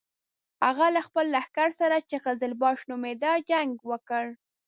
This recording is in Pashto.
هغه له خپل لښکر سره چې قزلباش نومېده جنګ وکړ.